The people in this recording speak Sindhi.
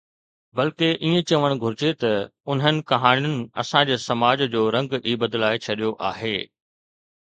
بلڪه ائين چوڻ گهرجي ته انهن ڪهاڻين اسان جي سماج جو رنگ ئي بدلائي ڇڏيو آهي